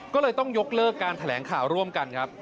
ก็เลยต้องยกเลิกการแถลงข่าวร่วมกันครับ